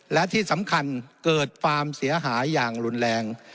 และที่สำคัญเกิดความเสียหายอย่างรุนแรง